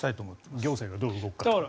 行政がどう動くか。